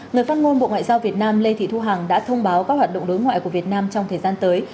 người phát ngôn bộ ngoại giao việt nam lê thị thu hằng đã thông báo các hoạt động đối ngoại của việt nam trong thời gian tới